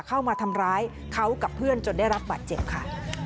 เข้ามาทำร้ายเขากับเพื่อนจนได้รับบาดเจ็บค่ะ